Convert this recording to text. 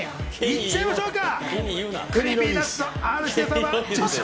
行っちゃいましょうか。